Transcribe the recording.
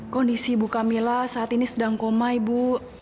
kondisi ibu camilla saat ini sedang koma ibu